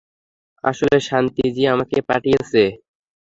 আসলে শান্তি জী আমাকে পাঠিয়েছে।